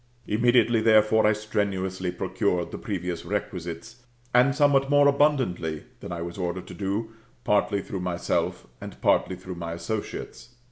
Immediately, therefore, I strenuously procured the previous requisites, and somewhat more abundantly than I was ordered to do, partly through myself, and partly through my associates.